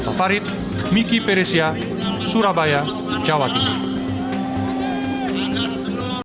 pak farid miki peresia surabaya jawa timur